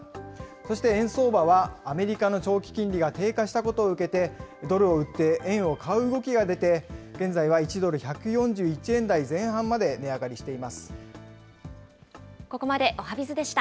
そして、円相場はアメリカの長期金利が低下したことを受けて、ドルを売って円を買う動きが出て、現在は１ドル１４１円台前半まで値上がりしています。